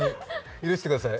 許してください。